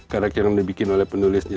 karakter yang dibikin oleh penulisnya